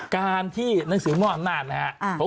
การที่หนักศิลป์มอบนาดนะครับ